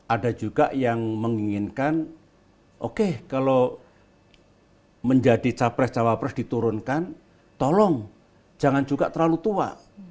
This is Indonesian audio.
ada juga yang menginginkan oke kalau menjadi capres cawapres diturunkan tolong jangan juga terlalu tua